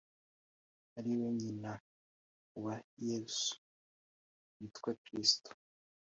, ari we nyina wa Yesu witwa Kristo.